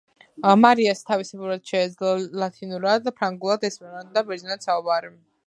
მარიას თავისუფლად შეეძლო ლათინურად, ფრანგულად, ესპანურად და ბერძნულად საუბარი.